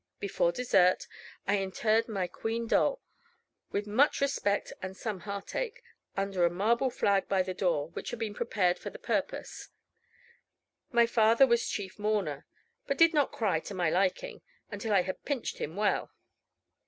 Before dessert, I interred my queen doll, with much respect and some heartache, under a marble flag by the door, which had been prepared for the purpose. My father was chief mourner, but did not cry to my liking, until I had pinched him well.